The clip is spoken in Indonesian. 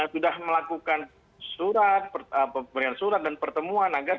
sudah melakukan surat dan pertemuan agar